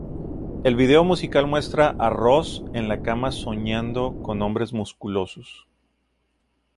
El video musical muestra a Ross en la cama soñando con hombres musculosos.